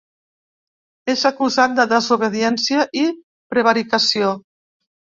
És acusat de desobediència i prevaricació.